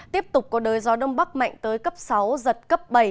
tiếp tục có đới gió đông bắc mạnh tới cấp sáu giật cấp bảy